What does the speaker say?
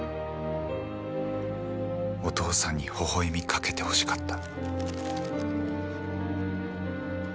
「お父さんにほほえみかけてほしかった」